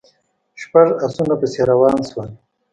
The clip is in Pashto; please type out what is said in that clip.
شپږ آسونه پسې روان شول.